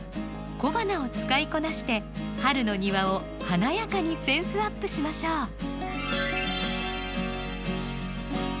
小花を使いこなして春の庭を華やかにセンスアップしましょう！